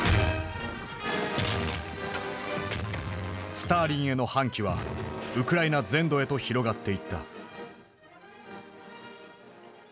スターリンへの反旗はウクライナ全土へと広がっていった。